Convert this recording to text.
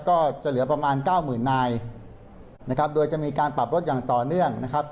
ก็จะเหลือประมาณเก้าหมื่นนายนะครับโดยจะมีการปรับรถอย่างต่อเนื่องนะครับ